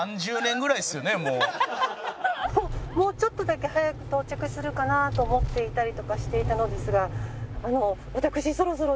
もうちょっとだけ早く到着するかなと思っていたりとかしていたのですが。